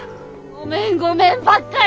ごめんごめんばっかり！